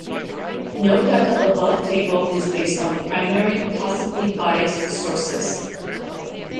Note that the above table is based on primary, possibly biased, sources.